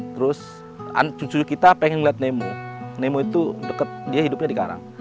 terus cucu kita pengen lihat nemo nemo itu dekat dia hidupnya di karang